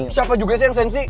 siapa juga sih yang sensi